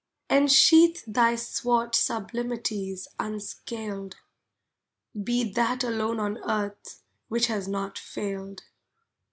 Ensheath thy swart sublimities, unscaled. Be that alone on earth which has not failed.